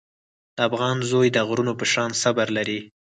د افغان زوی د غرونو په شان صبر لري.